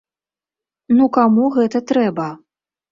Ну каму гэта трэба?